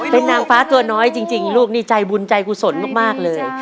เป็นนางฟ้าตัวน้อยจริงลูกนี่ใจบุญใจกุศลมากเลย